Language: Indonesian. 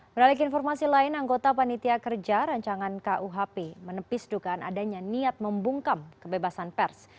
beralik informasi lain anggota panitia kerja rancangan kuhp menepis dukaan adanya niat membungkam kebebasan pers